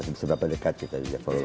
seberapa dekat kita bisa follow